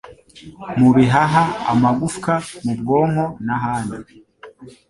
mu bihaha, amagufwa, mu bwonko n'ahandi.